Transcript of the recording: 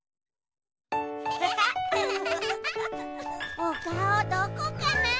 おかおどこかな？